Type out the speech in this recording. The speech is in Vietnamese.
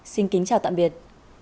xin kính chào tạm biệt